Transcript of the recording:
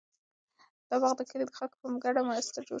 دا باغ د کلي د خلکو په ګډه مرسته جوړ شوی دی.